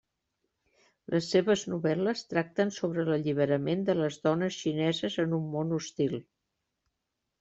Les seves novel·les tracten sobre l'alliberament de les dones xineses en un món hostil.